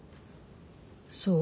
そう？